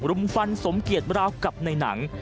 รุมฟันสมเกียจราวกับในหนัง